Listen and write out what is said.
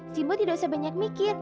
si mbok tidak usah banyak mikir